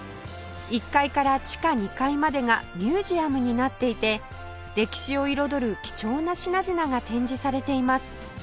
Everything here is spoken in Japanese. １階から地下２階までがミュージアムになっていて歴史を彩る貴重な品々が展示されています